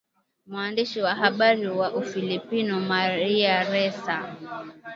mwandishi wa habari wa Ufilipino Maria Ressa